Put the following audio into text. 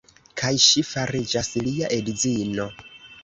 Kaj ŝi fariĝas lia edzino.